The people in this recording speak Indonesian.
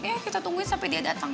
ya kita tungguin sampe dia datang